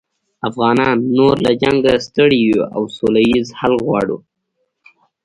افغانان نور له جنګه ستړي یوو او سوله ییز حل غواړو